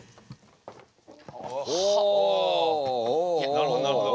なるほどなるほど。